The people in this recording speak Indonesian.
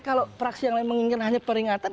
kalau praksi yang lain mengingat hanya lengser